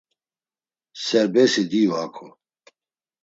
Serbesi diu hako.